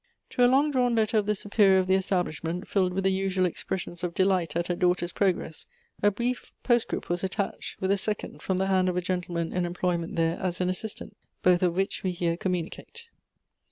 To a long drawn letter of the superior of the establish ment, filled with the usual expressions of delight at her daughter's progress, a brief postscript was attached, with a second from the hand of a gentleman in employment there as an assistant, both of which we here communicate.